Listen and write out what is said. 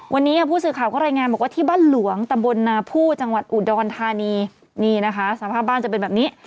วันนี้ผู้สื่อข่าวก็รายงานบอกว่าที่บ้านหลวงตำบลนาผู้จังหวัดอุดรธานีนี่นะคะสภาพบ้านจะเป็นแบบนี้